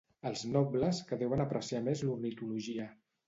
Els nobles que deuen apreciar més l'ornitologia.